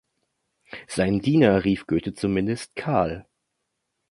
Seinen Diener rief Goethe zumeist "Carl".